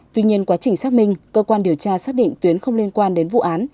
tuy nhiên quá trình xác minh cơ quan điều tra xác định tuyến không liên quan đến vụ án